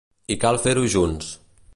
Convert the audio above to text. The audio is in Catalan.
I cal fer-ho junts.